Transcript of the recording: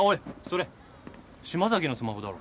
それ島崎のスマホだろ。